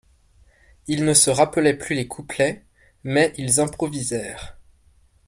Ils ne se rappelaient plus les couplets, mais ils improvisèrent